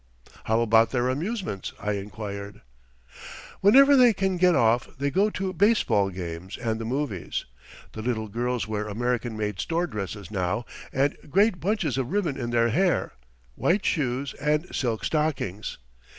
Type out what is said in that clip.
"How about their amusements?" I inquired. "Whenever they can get off they go to baseball games and the movies. The little girls wear American made store dresses now, and great bunches of ribbon in their hair, white shoes, and silk stockings.